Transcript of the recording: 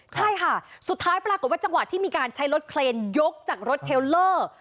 ใช่ค่ะสุดท้ายปรากฏว่าจังหวะที่มีการใช้รถเคลนยกจากรถเทลเลอร์